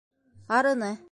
Арыны.